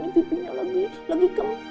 pipinya lagi kemes